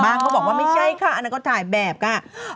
เขาบอกว่าไม่ใช่ค่ะอันนั้นก็ถ่ายแบบค่ะ